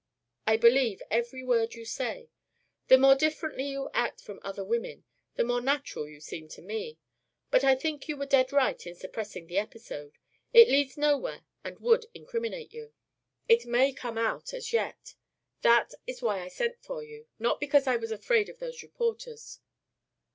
"I believe every word you say. The more differently you act from other women, the more natural you seem to me. But I think you were dead right in suppressing the episode. It leads nowhere and would incriminate you." "It may come out yet. That is why I sent for you, not because I was afraid of those reporters.